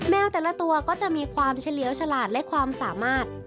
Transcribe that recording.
แต่ละตัวก็จะมีความเฉลียวฉลาดและความสามารถ